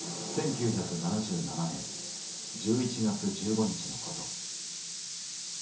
１９７７年１１月１５日のこと。